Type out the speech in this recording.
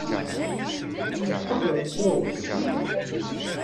Tettaxxṛeḍ i ccṛab d dexxan?